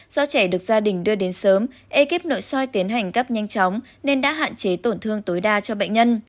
do trẻ được gia đình đưa đến sớm ekip nội soi tiến hành gấp nhanh chóng nên đã hạn chế tổn thương tối đa cho bệnh nhân